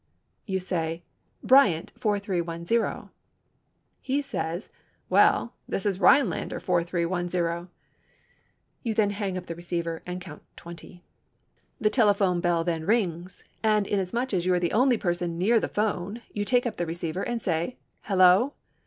You say, "Bryant 4310." He says, "Well, this is Rhinelander 4310." You then hang up the receiver and count twenty. The telephone bell then rings, and inasmuch as you are the only person near the phone you take up the receiver and say, "Hello."